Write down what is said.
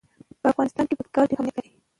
په افغانستان کې پکتیکا ډېر اهمیت لري.